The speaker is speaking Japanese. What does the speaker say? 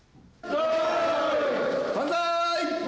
万歳。